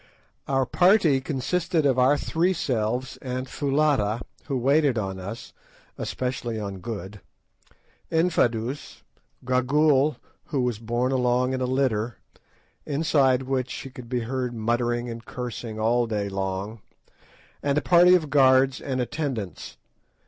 Our party consisted of our three selves and Foulata, who waited on us—especially on Good—Infadoos, Gagool, who was borne along in a litter, inside which she could be heard muttering and cursing all day long, and a party of guards and attendants.